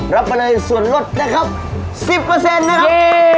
รับไปเลยส่วนลดสิบเปอร์เซนต์นะครับ